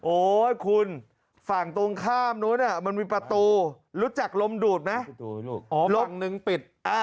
โอ๊ยคุณฝั่งตรงข้ามนู้นมันมีประตูรู้จักลมดูดไหมลมนึงปิด